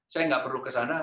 saya nggak perlu ke sana